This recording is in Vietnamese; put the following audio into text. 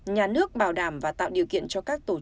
nhà nước bảo đảm và tạo điều kiện cho các tôn giáo